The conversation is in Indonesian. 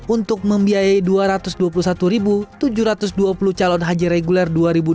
untuk membiayai dua ratus dua puluh satu tujuh ratus dua puluh calon haji reguler dua ribu dua puluh